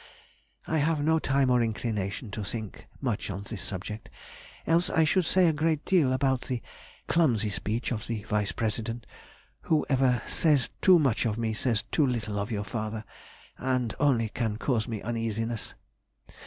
I have no time or inclination to think much on this subject, else I could say a great deal about the clumsy speech of the V. P. Whoever says too much of me says too little of your father! and only can cause me uneasiness.